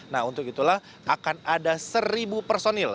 nah untuk itulah akan ada seribu personil